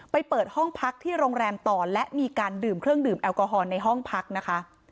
เปิดห้องพักที่โรงแรมต่อและมีการดื่มเครื่องดื่มแอลกอฮอลในห้องพักนะคะ